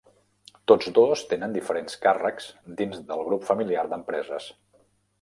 Tots dos tenen diferents càrrecs dins del grup familiar d'empreses.